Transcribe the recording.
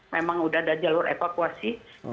memang sudah ada jalur evakuasi